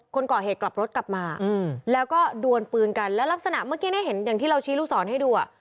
คนก่อเหตุกลับรถกลับมาแล้วก็ดวนปืนกันแล้วลักษณะเมื่อกี้เนี่ยเห็นอย่างที่เราชี้ลูกศรให้ดูอ่ะ